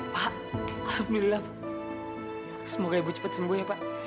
pak alhamdulillah semoga ibu cepat sembuh ya pak